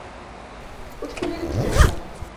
أُدخل المستشفى.